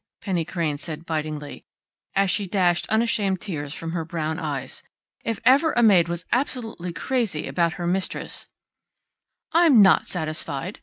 Penny Crain said bitingly, as she dashed unashamed tears from her brown eyes. "If ever a maid was absolutely crazy about her mistress " "I'm not satisfied!"